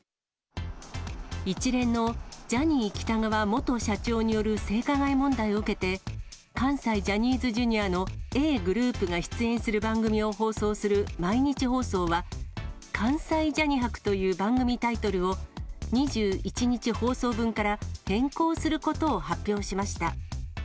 一連のジャニー喜多川元社長による性加害問題を受けて、関西ジャニーズＪｒ．のＡぇ！ｇｒｏｕｐが出演する番組を放送する毎日放送は、関西ジャニ博という番組タイトルを、２１日放送分から変更することを発表しました。